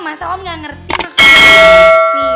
masa om gak ngerti terus